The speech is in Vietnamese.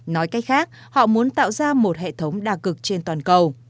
nói cách khác họ muốn tạo ra một hệ thống đa cực trên toàn cầu